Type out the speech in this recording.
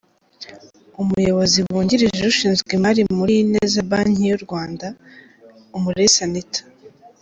Umuyobozi wungirije ushinzwe imari muri Ineza Banki y’u Rwanda, Umulisa Anitha.